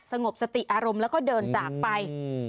สงบสติอารมณ์แล้วก็เดินจากไป